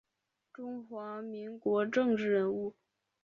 中华民国政治人物。